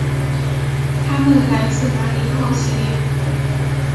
他们来自马里奥系列。